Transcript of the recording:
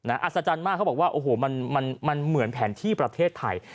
อัศจรรย์มากเขาบอกว่าโอ้โหมันเหมือนแผนที่ประเทศไทย